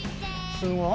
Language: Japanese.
すごい。